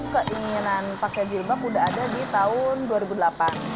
keinginan pakai jilbab sudah ada di tahun dua ribu delapan